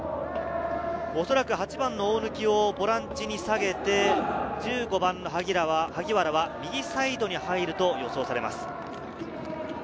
おそらく８番の大貫をボランチに下げて、１５番の萩原は右サイドに入ると予想されます。